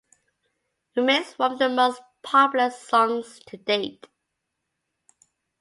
It remains one of their most popular songs to date.